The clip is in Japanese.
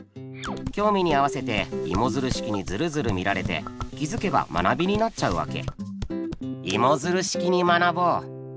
興味に合わせてイモヅル式にヅルヅル見られて気づけば学びになっちゃうわけ。